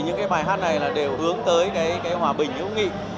những bài hát này đều hướng tới hòa bình hữu nghị